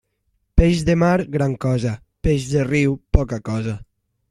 Peix de mar, gran cosa; peix de riu, poca cosa.